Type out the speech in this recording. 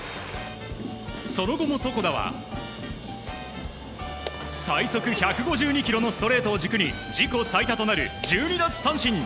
その後も床田は最速１５２キロのストレートを軸に自己最多となる１２奪三振。